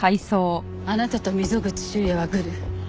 あなたと溝口修也はグル。